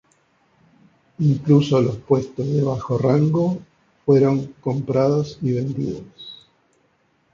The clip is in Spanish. Incluso los puestos de bajo rango fueron comprados y vendidos.